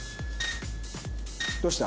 どうした？